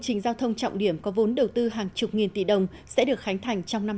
trình giao thông trọng điểm có vốn đầu tư hàng chục nghìn tỷ đồng sẽ được khánh thành trong năm